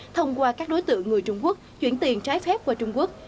thông qua các đối tượng người trung quốc chuyển tiền trái phép qua trung quốc